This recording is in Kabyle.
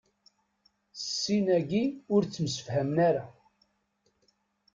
Sin-agi ur ttemsefhamen ara.